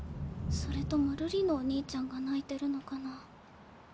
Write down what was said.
それとも瑠璃のおにいちゃんが泣いてるのかな？